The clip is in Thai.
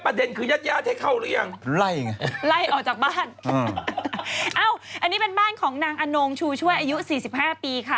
ประเด็นคือยาดยาดให้เข้าหรือยังไล่ออกจากบ้านอันนี้เป็นบ้านของนางอนงชูช่วยอายุ๔๕ปีค่ะ